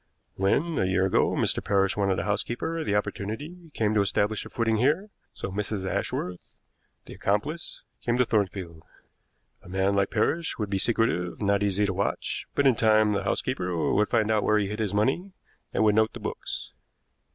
When, a year ago, Mr. Parrish wanted a housekeeper the opportunity came to establish a footing here; so Mrs. Ashworth, the accomplice, came to Thornfield. A man like Parrish would be secretive, not easy to watch; but in time the housekeeper would find out where he hid his money, and would note the books.